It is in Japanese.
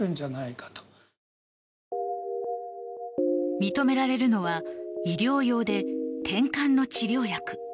認められるのは医療用でてんかんの治療薬。